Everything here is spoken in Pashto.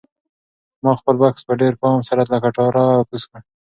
ما خپل بکس په ډېر پام سره له کټاره راکوز کړ.